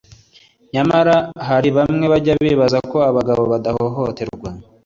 nyamara hari bamwe bajya bibaza niba abagabo bo badahohoterwa